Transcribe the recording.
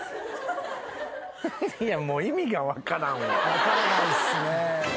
分からないっすね。